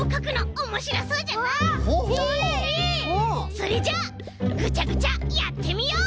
それじゃあぐちゃぐちゃやってみよう！